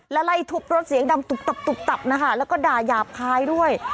และไล่ทุบรถเสียงดำตุบนะคะแล้วก็ด่าหยาบคลายด้วย